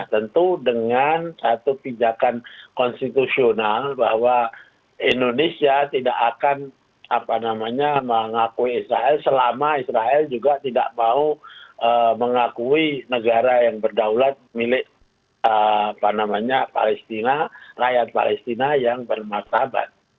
tentu dengan satu pijakan konstitusional bahwa indonesia tidak akan mengakui israel selama israel juga tidak mau mengakui negara yang berdaulat milik rakyat palestina yang bermasabat